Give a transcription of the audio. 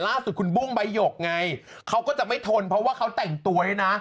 ล่าสุดคุณบุ้งใบหยกไงเขาก็จะไม่ทนเพราะว่าเขาแต่งตัวให้นะ